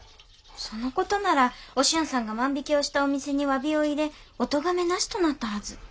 その事ならお俊さんが万引きをしたお店にわびを入れお咎めなしとなったはず。